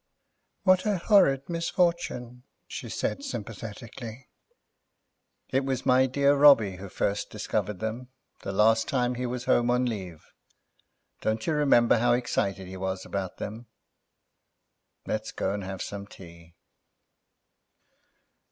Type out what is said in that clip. "What a horrid misfortune," she said sympathetically. "It was my dear Robbie who first discovered them, the last time he was home on leave. Don't you remember how excited he was about them? Let's go and have some tea."